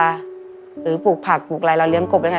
หรือปลูกผักปลูกแรงเราเลี้ยงกบนะค่ะ